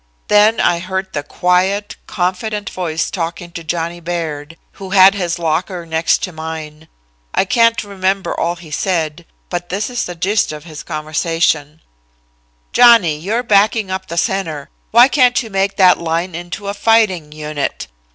Then I heard the quiet, confident voice talking to Johnny Baird, who had his locker next to mine. I can't remember all he said, but this is the gist of his conversation: "'Johnny, you're backing up the center. Why can't you make that line into a fighting unit?